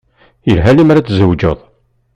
Yelha lemmer ad tzewǧeḍ.